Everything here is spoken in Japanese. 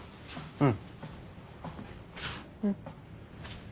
うん。